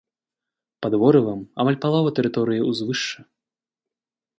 Пад ворывам амаль палова тэрыторыі ўзвышша.